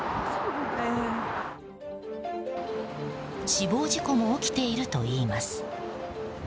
死亡事故も起きているといいます。